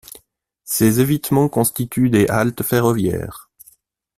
Ces évitements constituent des haltes ferroviaires.